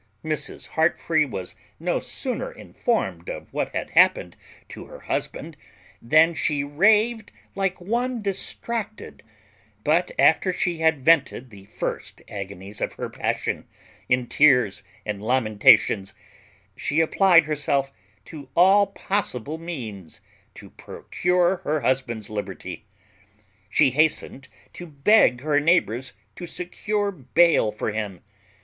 Mrs. Heartfree was no sooner informed of what had happened to her husband than she raved like one distracted; but after she had vented the first agonies of her passion in tears and lamentations she applied herself to all possible means to procure her husband's liberty. She hastened to beg her neighbours to secure bail for him.